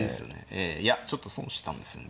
いやちょっと損したんですね